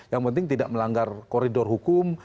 yang penting tidak melanggar koridor hukum